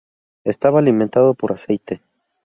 Estaba alimentado por aceite.